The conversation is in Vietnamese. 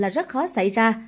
rất khó xảy ra